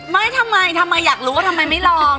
ไม่ทำไมทำไมอยากรู้ว่าทำไมไม่ลอง